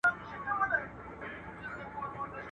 چي پر موږ ئې وار راغی، بيا ئې پلار راغی.